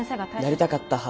「なりたかった派」